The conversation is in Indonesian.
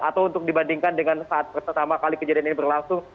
atau untuk dibandingkan dengan saat pertama kali kejadian ini berlangsung